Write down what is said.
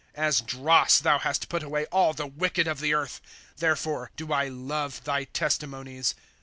* As dross thou hast put away all the wicked of the earth ; Therefore do I love thy testimonies.